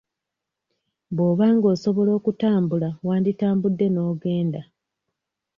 Bw'oba nga osobola okutambula wanditambudde n'ogenda.